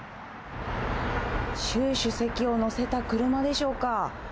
習主席を乗せた車でしょうか。